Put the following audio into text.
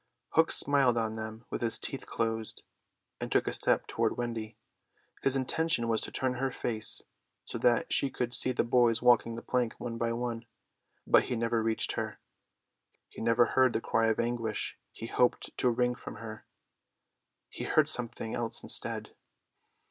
Hook smiled on them with his teeth closed, and took a step toward Wendy. His intention was to turn her face so that she should see the boys walking the plank one by one. But he never reached her, he never heard the cry of anguish he hoped to wring from her. He heard something else instead.